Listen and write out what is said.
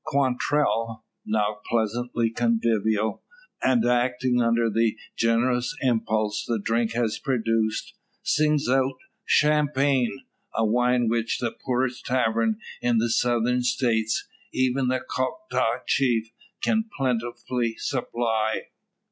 Quantrell, now pleasantly convivial, and acting under the generous impulse the drink has produced, sings out "Champagne!" a wine which the poorest tavern in the Southern States, even the Choctaw Chief, can plentifully supply.